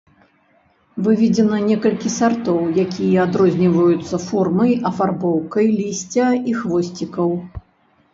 Выведзена некалькі сартоў, якія адрозніваюцца формай афарбоўкай лісця і хвосцікаў.